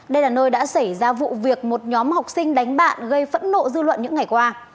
đây là nơi đã xảy ra vụ việc một nhóm học sinh đánh bạn gây phẫn nộ dư luận những ngày qua